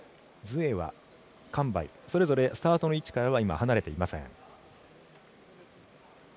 ズエワ、韓梅それぞれスタートの位置から離れていません。